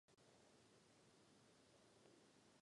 Kuklí se uvnitř plodu nebo mimo něj v půdě.